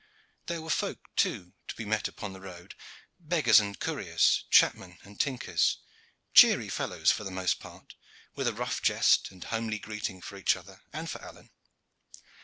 There were folk, too, to be met upon the road beggars and couriers, chapmen and tinkers cheery fellows for the most part, with a rough jest and homely greeting for each other and for Alleyne.